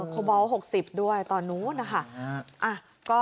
โคบอล๖๐ด้วยตอนนู้นนะคะ